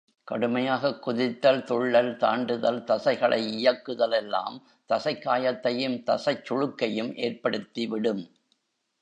கடுமையாகக் குதித்தல், துள்ளல், தாண்டுதல், தசைகளை இயக்குதல் எல்லாம், தசைக் காயத்தையும், தசைச் சுளுக்கையும் ஏற்படுத்திவிடும்.